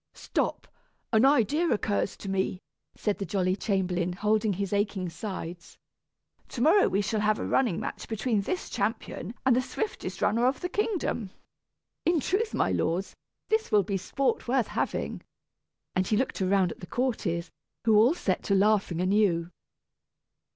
"Stop! An idea occurs to me," said the jolly chamberlain, holding his aching sides. "To morrow we shall have a running match between this champion and the swiftest runner of the kingdom. In truth, my lords, this will be sport worth having," and he looked around at the courtiers, who all set to laughing anew.